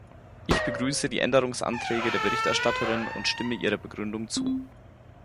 Ich begrüße die Änderungsanträge der Berichterstatterin und stimme ihrer Begründung zu.